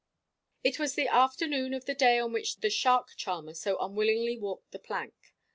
It was the afternoon of the day on which the shark charmer so unwillingly walked the plank.